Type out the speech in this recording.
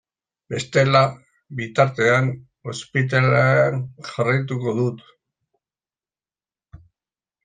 Bestela, bitartean, ospitalean jarraituko dut.